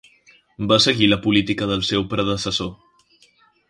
Va seguir la política del seu predecessor.